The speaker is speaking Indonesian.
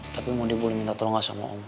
tapi modnya boleh minta tolong gak sama om